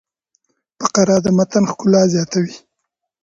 فقره د متن ښکلا زیاتوي.